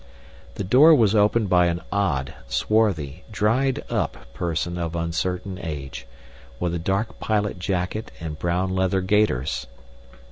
The door was opened by an odd, swarthy, dried up person of uncertain age, with a dark pilot jacket and brown leather gaiters.